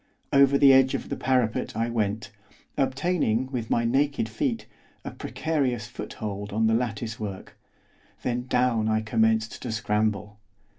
Over the edge of the parapet I went, obtaining, with my naked feet, a precarious foothold on the latticework, then down I commenced to scramble.